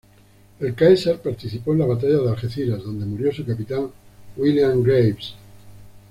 El "Caesar" participó en la batalla de Algeciras donde murió su capitán William Graves.